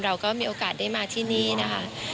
เราก็มีโอกาสได้มาที่นี่นะคะ